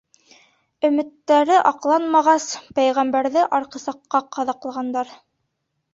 Өмөттәре аҡланмағас, Пәйғәмбәрҙе арҡысаҡҡа ҡаҙаҡлағандар.